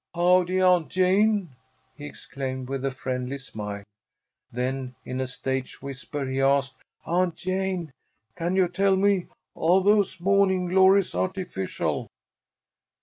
"Howdy, Aunt Jane!" he exclaimed, with a friendly smile. Then, in a stage whisper, he asked, "Aunt Jane, can you tell me? Are those morning glories artificial?"